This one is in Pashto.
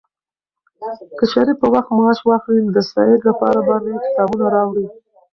که شریف په وخت معاش واخلي، نو د سعید لپاره به نوي کتابونه راوړي.